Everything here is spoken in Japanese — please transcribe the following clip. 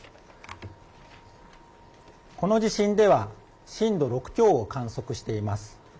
この地震では震度６強を観測しています。